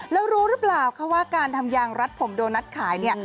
แล้วรู้หรือเปล่าคะว่าการทำยางรัดผมโดนัทขายเนี่ย